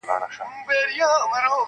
و مقام د سړیتوب ته نه رسېږې-